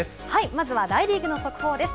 まずは大リーグの速報です。